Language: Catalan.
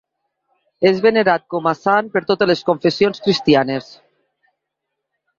És venerat com a sant per totes les confessions cristianes.